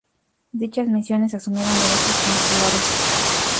Dichas misiones asumieron derechos consulares.